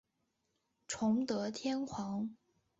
崇德天皇。